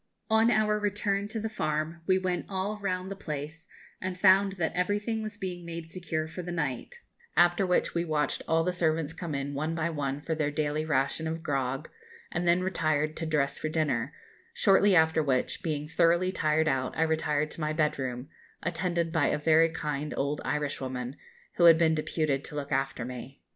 On our return to the farm, we went all round the place, and found that everything was being made secure for the night; after which we watched all the servants come in one by one for their daily ration of grog, and then retired to dress for dinner, shortly after which, being thoroughly tired out, I retired to my bed room, attended by a very kind old Irishwoman, who had been deputed to look after me.